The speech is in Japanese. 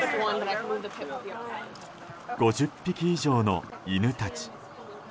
５０匹以上の犬たち。